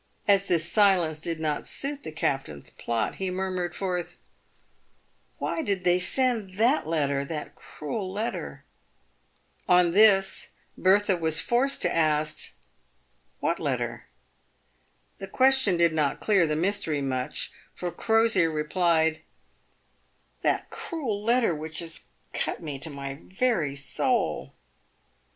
As this silence did not suit the captain's plot, he murmured forth, " Why did they send that letter — that cruel letter !" On this Bertha was forced to ask, "What letter?" The question did not clear the mystery much, for Crosier replied, " That cruel letter which has cut me to the very soul!"